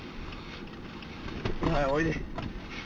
はい、おいで。